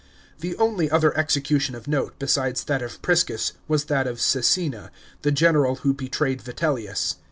f The only other execution of note, besides that of Priscus, was that of Csecina, the general who betrayed Vitellius.